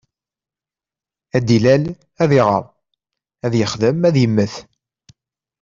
Ad d-ilal, ad iɣer, ad yexdem, ad yemmet.